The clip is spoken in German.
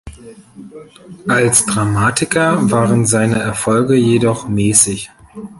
Als Dramatiker waren seine Erfolge jedoch mäßig.